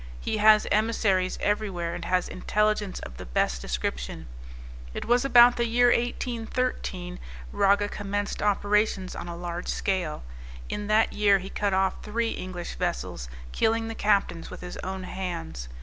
He has emissaries every where, and has intelligence of the best description. It was about the year 1813 Raga commenced operations on a large scale. In that year he cut off three English vessels, killing the captains with his own hands.